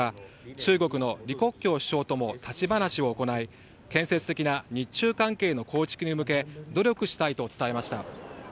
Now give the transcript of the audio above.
中国の李克強首相とも立ち話を行い建設的な日中関係の構築に向け努力したいと伝えました。